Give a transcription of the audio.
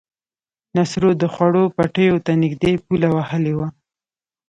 نصرو د خوړ پټيو ته نږدې پوله وهلې وه.